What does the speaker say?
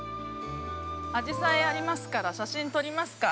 ◆あじさい、ありますから写真撮りますか。